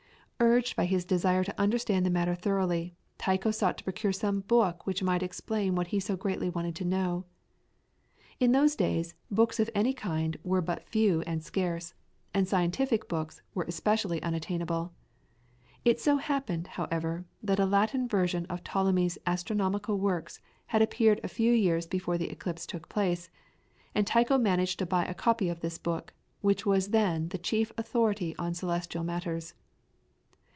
Urged by his desire to understand the matter thoroughly, Tycho sought to procure some book which might explain what he so greatly wanted to know. In those days books of any kind were but few and scarce, and scientific books were especially unattainable. It so happened, however, that a Latin version of Ptolemy's astronomical works had appeared a few years before the eclipse took place, and Tycho managed to buy a copy of this book, which was then the chief authority on celestial matters.